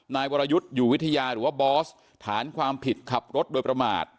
นายวรยุทธ์อยู่วิทยาหรือว่าบอสฐานความผิดขับรถโดยประมาท